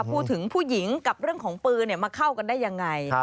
พูดถึงผู้หญิงกับเรื่องของปืนมาเข้ากันได้อย่างไร